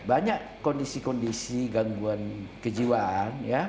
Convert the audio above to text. banyak kondisi kondisi gangguan kejiwaan